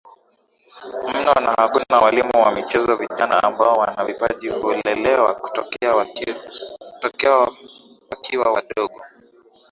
mno na hakuna walimu wa michezo Vijana ambao wana vipaji hulelewa tokea wakiwa wadogo